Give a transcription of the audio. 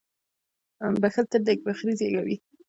• بښل تل نېکمرغي زېږوي.